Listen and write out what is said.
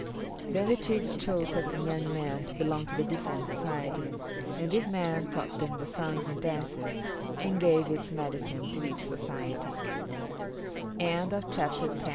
Then the chiefs chose certain young men to belong to the different societies, and this man taught them the songs and dances, and gave its medicine to each soc